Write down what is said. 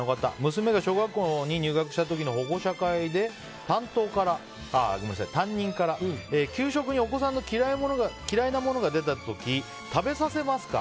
娘が小学校に入学した時の保護者会で担任から、給食にお子さんの嫌いなものが出た時食べさせますか？